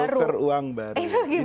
tuker uang baru